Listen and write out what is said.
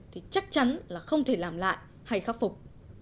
thì chắc chắn là không thể làm lại hay khắc phục